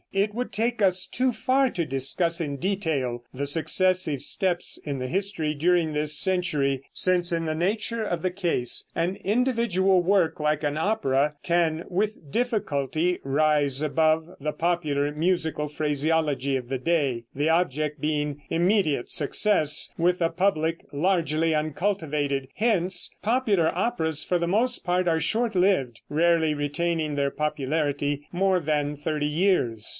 It would take us too far to discuss in detail the successive steps in the history during this century, since in the nature of the case, an individual work like an opera can with difficulty rise above the popular musical phraseology of the day, the object being immediate success with a public largely uncultivated. Hence, popular operas for the most part are short lived, rarely retaining their popularity more than thirty years.